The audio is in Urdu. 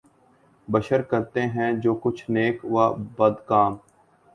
بشر کرتے ہیں جو کچھ نیک و بد کام